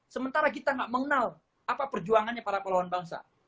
sementara kita tidak mengenal apa perjuangannya para pahlawan bangsa